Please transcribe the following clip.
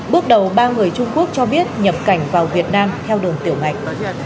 bước đầu ba người trung quốc cho biết nhập cảnh vào việt nam theo đường tiểu ngạch